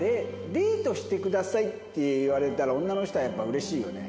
「デートしてください」って言われたら女の人はやっぱ嬉しいよね。